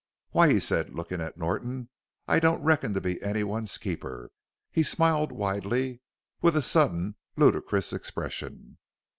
"Why," he said, looking at Norton, "I don't reckon to be anyone's keeper." He smiled widely, with a suddenly ludicrous expression.